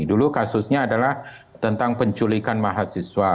dulu kasusnya adalah tentang penculikan mahasiswa